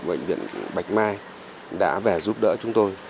bệnh viện bạch mai đã về giúp đỡ chúng tôi